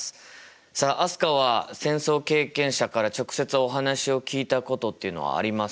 さあ飛鳥は戦争経験者から直接お話を聞いたことっていうのはありますか？